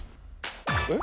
えっ？